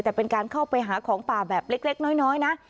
แต่เป็นการเข้าไปหาของป่าแบบเล็กน้อยนะ